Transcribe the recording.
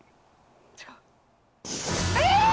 違う？え‼